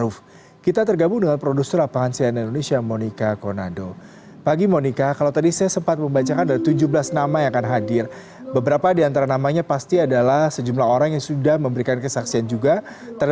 pada hari ini sidang lanjutan perubahan berkataan yang telah dikelar